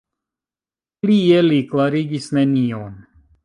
Plie li klarigis nenion.